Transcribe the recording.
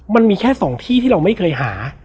มันมีแค่๒ที่ที่เราไม่เคยหา